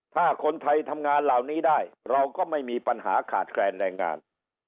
ถ้าคนไทยทำงานเหล่านี้ได้เราก็ไม่มีปัญหาขาดแคลนแรงงาน